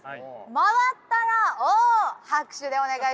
回ったら「お」拍手でお願いします。